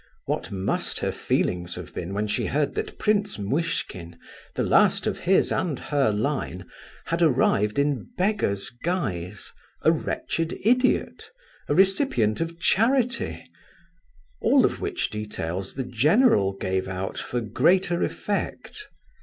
What must her feelings have been when she heard that Prince Muishkin, the last of his and her line, had arrived in beggar's guise, a wretched idiot, a recipient of charity—all of which details the general gave out for greater effect!